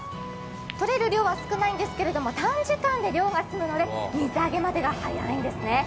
とれる量は少ないんですけれども短時間で漁が済むので水揚げまでが早いんですね。